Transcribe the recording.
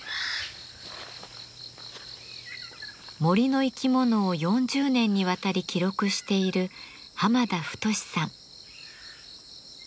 森の生き物を４０年にわたり記録している浜田太さん。